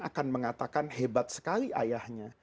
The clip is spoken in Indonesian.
akan mengatakan hebat sekali ayahnya